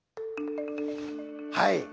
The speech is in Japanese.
はい。